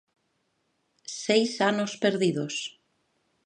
Seis anos perdidos.